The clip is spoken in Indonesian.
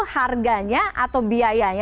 harganya atau biayanya